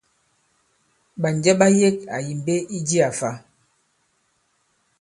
Ɓànjɛ ɓa yek àyì mbe i jiā fa?